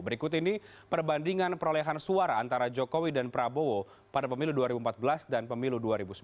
berikut ini perbandingan perolehan suara antara jokowi dan prabowo pada pemilu dua ribu empat belas dan pemilu dua ribu sembilan belas